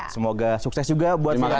semoga sukses juga buat mereka